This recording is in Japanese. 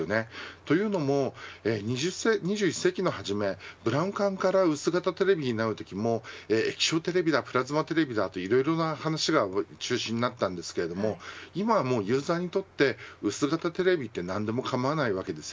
というのも２１世紀の初めブラウン管から薄型テレビになるときもプラズマテレビだ液晶テレビだという話が中心になりましたが今はユーザーにとって薄型テレビって何でも構わないわけです。